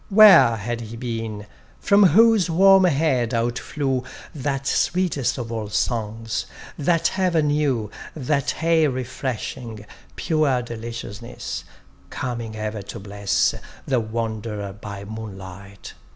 Where had he been, from whose warm head out flew That sweetest of all songs, that ever new, That aye refreshing, pure deliciousness, Coming ever to bless The wanderer by moonlight?